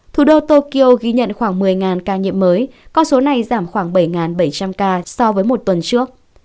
thủ đô tokyo ghi nhận khoảng một mươi ca nhiễm mới con số này giảm khoảng bảy bảy trăm linh ca so với một tuần trước